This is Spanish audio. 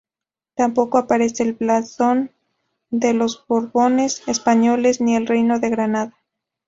Tampoco aparece el blasón de los Borbones españoles ni el Reino de Granada.